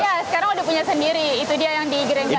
iya sekarang udah punya sendiri itu dia yang di grand gre